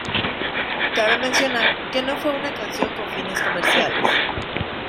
Cabe mencionar que no fue una canción con fines comerciales.